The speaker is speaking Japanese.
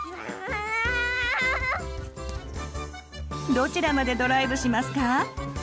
どちらまでドライブしますか？